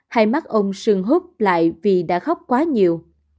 hai mắt ông sừng hút lại vì đã khóc quá nhiều